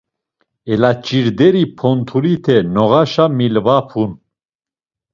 Elaç̌irderi pontulite noğaşa milvapun.